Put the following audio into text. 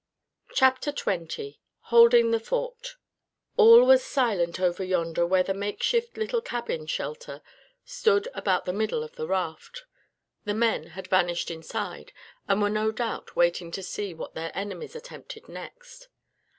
CHAPTER XX HOLDING THE FORT All was silent over yonder where the makeshift little cabin shelter stood about the middle of the raft. The men had vanished inside, and were no doubt waiting to see what their enemies attempted next.